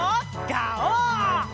ガオー！